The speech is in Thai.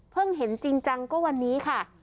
เห็นจริงจังก็วันนี้ค่ะ